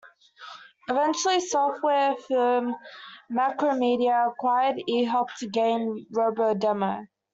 Eventually, software firm Macromedia acquired eHelp to gain RoboDemo.